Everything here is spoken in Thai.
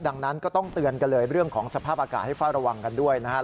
ดังนั้นก็ต้องเตือนกันเลยเรื่องของสภาพอากาศให้เฝ้าระวังกันด้วยนะครับ